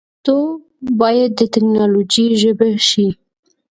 پښتو باید د ټیکنالوجۍ ژبه شي.